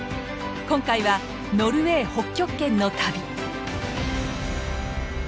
今回はノルウェー・北極圏の旅。